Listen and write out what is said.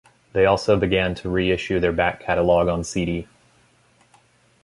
They also began to reissue their back catalogue on CD.